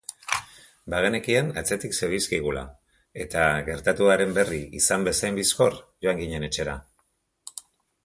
Bagenekien atzetik zebilzkigula, eta gertatuaren berri izan bezain bizkor joan ginen etxera.